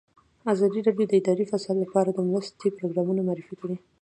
ازادي راډیو د اداري فساد لپاره د مرستو پروګرامونه معرفي کړي.